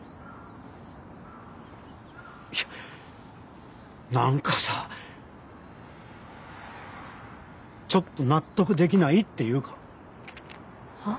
いやなんかさちょっと納得できないっていうかはあ？